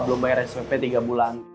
belum bayar spp tiga bulan